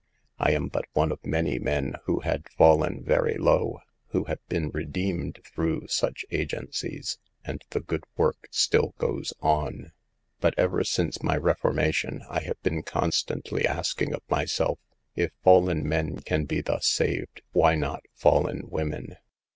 I am but one of many men who had fallen very low, who have been redeemed through such agencies; and the good work still goes on. But ever since my reformation I have been constantly asking of myself: "If fallen men can be thus saved, why not fallen women ?